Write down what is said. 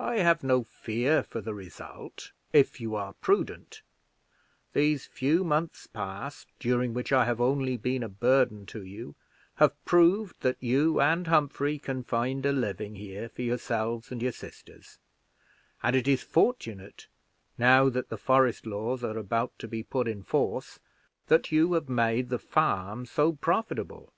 I have no fear for the result if you are prudent; these few months past, during which I have only been a burden to you, have proved that you and Humphrey can find a living here for yourselves and your sisters; and it is fortunate, now that the forest laws are about to be put in force, that you have made the farm so profitable.